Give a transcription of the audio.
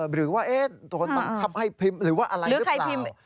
หรือว่าเอ๊ะตัวมันทำให้พิมพ์หรือว่าอะไรรึเปล่า